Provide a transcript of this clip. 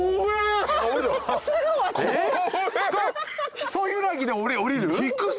一揺らぎで降りる？